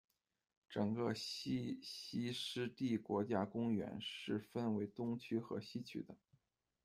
整个西溪湿地国家公园是分为东区和西区的。